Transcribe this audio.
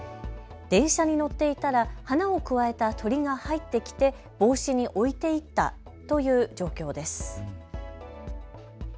電車に乗っていたら花をくわえた鳥が入ってきて帽子に置いていったという状況です。